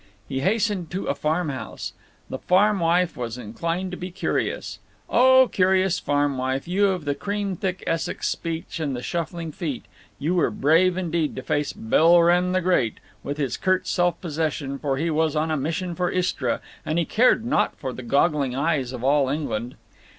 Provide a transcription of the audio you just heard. He hastened to a farm house. The farm wife was inclined to be curious. O curious farm wife, you of the cream thick Essex speech and the shuffling feet, you were brave indeed to face Bill Wrenn the Great, with his curt self possession, for he was on a mission for Istra, and he cared not for the goggling eyes of all England.